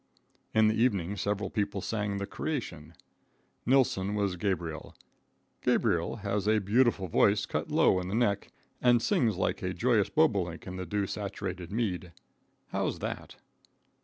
In the evening several people sang, "The Creation." Nilsson was Gabriel. Gabriel has a beautiful voice cut low in the neck, and sings like a joyous bobolink in the dew saturated mead. How's that?